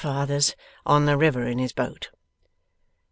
Father's on the river in his boat.